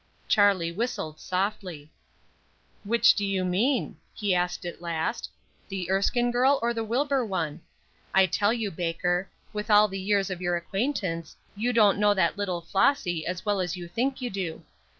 Charlie whistled softly. "Which do you mean?" he asked at last. "The Erskine girl, or the Wilbur one? I tell you, Baker, with all the years of your acquaintance, you don't know that little Flossy as well as you think you do.